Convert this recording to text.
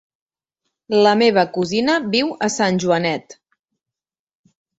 La meva cosina viu a Sant Joanet.